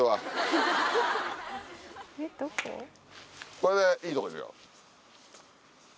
これでいいとこですよ。